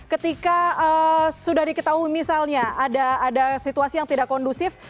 ketika sudah diketahui misalnya ada situasi yang tidak kondusif